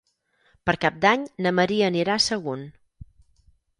Per Cap d'Any na Maria anirà a Sagunt.